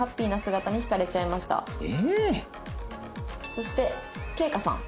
そして圭叶さん。